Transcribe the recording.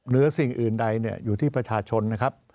หรือสิ่งอื่นใดอยู่ที่ประชาชนนะครับ